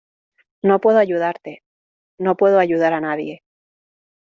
No puedo ayudarte. No puedo ayudar a nadie .